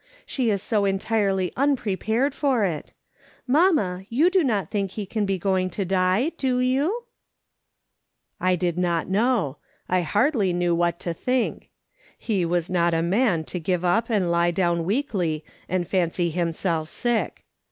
She is so entirely unprepared for it. Mamma, you do not think he can be going to die, do you ?" I did not know. I hardly knew what to think. He was not a man to give up and lie down weakly and fancy himself sick.